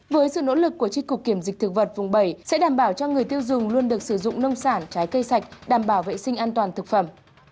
với sự nỗ lực của tri cục kiểm dịch thực vật vùng bảy sẽ đảm bảo cho người tiêu dùng luôn được sử dụng nông sản trái cây sạch đảm bảo vệ sinh an toàn thực phẩm